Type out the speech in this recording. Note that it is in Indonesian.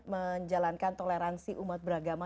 menjalankan toleransi umat beragama